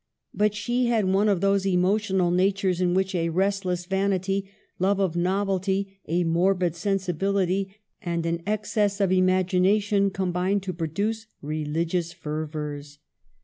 But she had one of those emotional natures in which a restless vanity, love of novelty, a morbid sensi bility and an excess of imagination, combine to produce religious fervors.